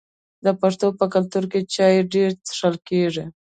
د پښتنو په کلتور کې چای ډیر څښل کیږي.